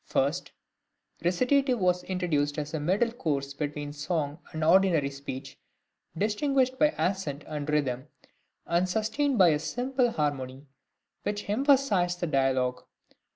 First, recitative was introduced as a middle course between song and ordinary speech, distinguished by accent and rhythm, and sustained by a simple harmony, which emphasised the dialogue.